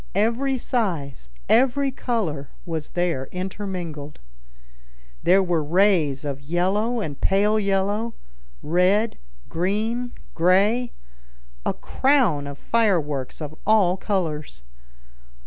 Every size, every color, was there intermingled. There were rays of yellow and pale yellow, red, green, gray—a crown of fireworks of all colors.